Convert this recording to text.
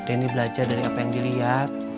apa yang dilihat